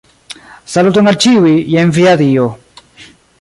Saluton al ĉiuj, jen via dio.